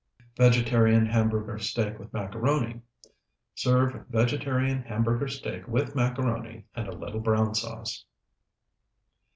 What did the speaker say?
VEGETARIAN HAMBURGER STEAK WITH MACARONI Serve vegetarian hamburger steak with macaroni and a little brown sauce.